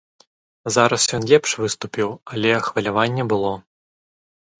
Зараз ён лепш выступіў, але хваляванне было.